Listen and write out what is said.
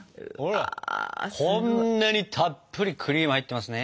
こんなにたっぷりクリーム入ってますね。